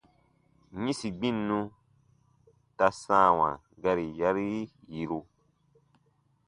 -yĩsi gbinnu ta sãawa gari yarii yiru.